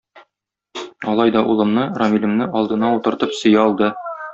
Алай да улымны - Рамилемне алдына утыртып сөя алды.